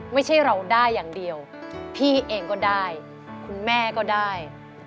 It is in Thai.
ไม่ใช่เราได้อย่างเดียวพี่เองก็ได้คุณแม่ก็ได้